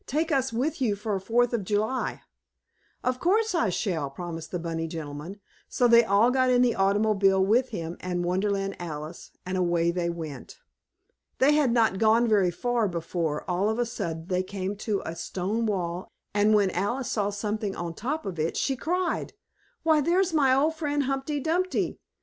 "Take us with you for Fourth of July!" "Of course I shall!" promised the bunny gentleman, so they all got in the automobile with him and Wonderland Alice, and away they went. They had not gone very far before, all of a sudden, they came to a stone wall, and when Alice saw something on top of it, she cried: "Why, there's my old friend Humpty Dumpty.